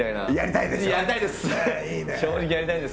やりたいです！